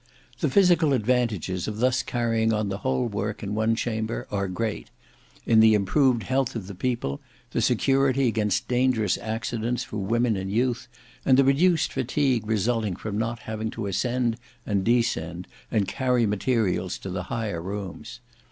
The physical advantages of thus carrying on the whole work in one chamber are great: in the improved health of the people, the security against dangerous accidents for women and youth, and the reduced fatigue resulting from not having to ascend and descend and carry materials to the higher rooms.